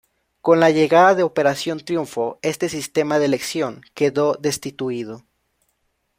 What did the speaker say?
Con la llegada de "Operación Triunfo" este sistema de elección quedó destituido.